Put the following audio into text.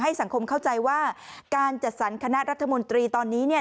สังคมเข้าใจว่าการจัดสรรคณะรัฐมนตรีตอนนี้เนี่ย